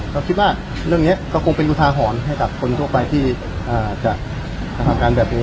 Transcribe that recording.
ก็คิดว่าเรื่องนี้ก็คงเป็นอุทาหรณ์ให้กับคนทั่วไปที่จะกระทำการแบบนี้